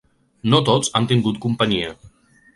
No tots han tingut companyia.